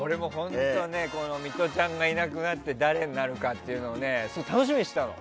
ミトちゃんがいなくなって誰になるかっていうのを楽しみにしてたの。